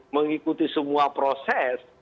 mengikuti semua proses